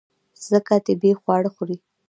ځکه طبیعي خواړه خوري.